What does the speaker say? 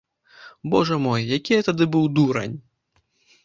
Божа мой, які я тады быў дурань.